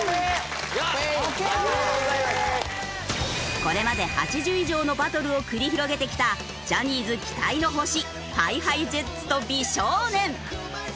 これまで８０以上のバトルを繰り広げてきたジャニーズ期待の星ＨｉＨｉＪｅｔｓと美少年。